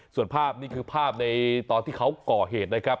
ส่วนภาพนี่คือภาพในตอนที่เขาก่อเหตุนะครับ